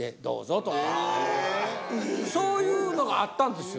そういうのがあったんですよ